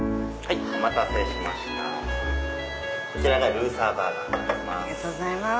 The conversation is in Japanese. ルーサーバーガーになります。